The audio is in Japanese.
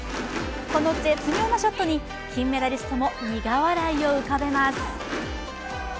この絶妙なショットに金メダリストも苦笑いを浮かべます。